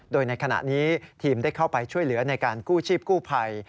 โดยในขณะนี้ทีมได้เข้าไปช่วยเหลือในการกู้ชีพกู้ภัย